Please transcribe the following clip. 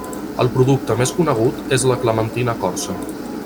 El producte més conegut és la clementina corsa.